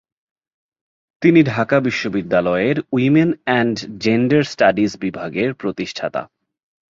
তিনি ঢাকা বিশ্ববিদ্যালয়ের women and gender studies বিভাগের প্রতিষ্ঠাতা।